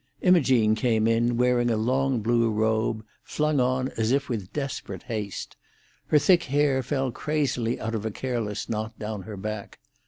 Imogene came in, wearing a long blue robe, flung on as if with desperate haste; her thick hair fell crazily out of a careless knot, down her back.